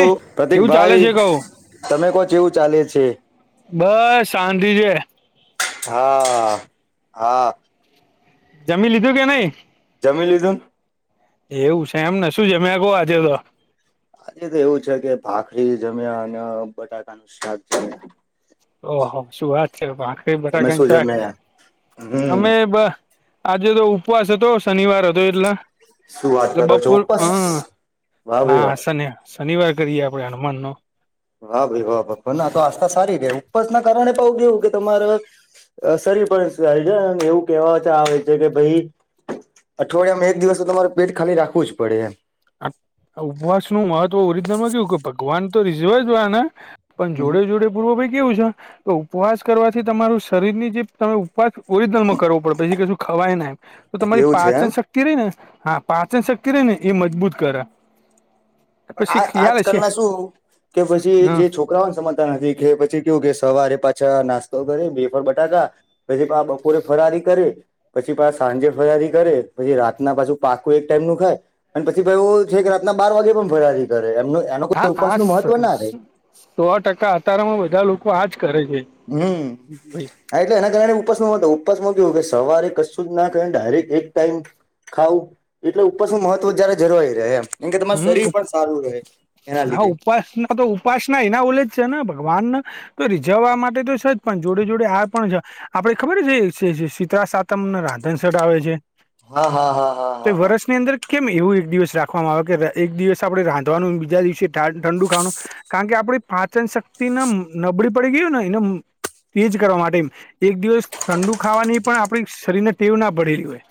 ઓ પ્રતિક કેવું ચાલે ભાઈ છે કહું તમે કો કેવું ચાલે છે. બસ શાંતિ છે. હા, હા. જમી લીધું કે નઈ? જમી લીધું ને એવું છે એમને શું જમ્યા કો આજે તો. આજે તો એવું છે કે ભાખરી જમ્યા અને બટાકાનું શાક જમ્યા. ઓહો, શું વાત છે ભાખરી તમે બટાકાનુ શું શાક જમ્યા હમ અમે બ. આજે તો ઉપવાસ હતો શનિવાર હતો એટલે. શું વાત એટલે કરો છો બપોર ઉપસ હમ વાહ ભાઈ હા વાહ સનહ. શનિવાર કરીએે આપડે હનુમાનનો. હા, ભાઈ વા ના તો આસ્થા સારી ઉપસ ના કારણે પણું કેવું કે તમારે અસરી પણારી છે એવું કેવાતા આવે છે કે ભાઈ અઠવાડિયામાં એક દિવસ તો તમારું પેટ ખાલી રાખવું જ પડે એમ. ઉપવાસ નું મહત્વ ઓરિજનલ માં કેવુ ભગવાન તો રીઝવે જીયેને. પણ હમ જોડે જોડે પૂર્વ ભાઈ કેવું છે, તો ઉપવાસ કરવાથી તમારું શરીરની જે તમે ઉપવાસ ઓરિજિનલમાં કરવો પડે પછી કું ખવાય ને એમ, તો તમારી એવું છે પાચન એમ શક્ શક્તિ રને હા પાચન શક્તિ રહી ને એ મજબૂત કરે. આ પછી ખ્યાલ છે આજકાલના શું કે પછી હા જે છો છોકરાઓ સમજતા નથી કે પછી કેું કે સવારે પાછા નાસ્તો કર બેફર બટાકા. પછી બા બપોરે ફરારી કરે. પછી બા સાંજે ફરારી કરે પહી રાતના પાછું પાકું એક ટાઈમ નું ખાય. અને પછી ભાઈ એ છે કે રાતના બાર વાગે પણ ફળથી કરે એમ એનો હા આ ઉપાસનું મહત્વ ના રહેે. સો ટકા અતારામાં બધાં લોકો આજ કરે છે. હમ. ભાઈ હા, એટલે એના કારણે ઉપસમાં ઉપસમાં કેવું કે સવારે કશું જ ના કર ડાયરેક્ટ એક ટાઈમ ખાવું, એટલે ઉપવાસ નું મહત્વ જયારે જરવાય રહે એમ. કે તમાર હમ શરીર પણ સારું રહે એના હા લીધે. ઉપાસના તો ઉપાસના એ ના ઓલે જ છેના ભગવાનના તો રીઝવવા માટે તો છે જ પણ જોડે જોડે આ પણ છે. આપડે ખબર છે શીતળા સાતમ રાધન શટ આવે છે? હા હા હા હા. તો હા હા વર્ષની અંદર કેમ એવું એક દિવસ રાખવામાં આવે? એક દિવસ આપડે રાંધવાનું બીજા દિવસે ઠંડુ ખાવાનું. કારણ કે આપડી પાચન શક્તિને નબળી પડી ગયું ને એનામ તેજ કરવા માટે, એક દિવસ ઠંડુ ખાવાની પણ આપડી શરીર ને તેવ ના પડેલી હોય.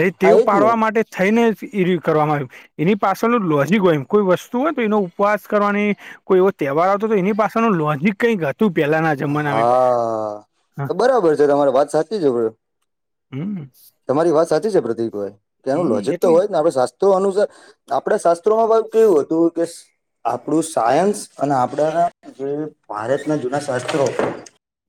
રે હા તેવ એજ ને પાડવા માટે થઈને એ કરવામાં આવ્યું, એની પાછળનું લોજીિક હોય એમ કોઈ વસ્તુ હોય તો એનો ઉપવાસ કરવાની કોઈ એવો તહેવાર આવ હતો તો એની પાસળનુ લોજીિક કઈ તું પહેલાના હા, બરાબર છે તમારે વાત સાચી છે. હમ. તમારી વાત સાચી છે પ્રદીકભાઈ, કે એનું હમ લોજિક તો એટલે હોય ને આપડે શાસ્ત્રો અનુસાર આપડે શસ્ કેવું હતું કેસ આપણું સાયન્સ અને આપડાના જે ભારતના જૂના શાસ્ત્રો.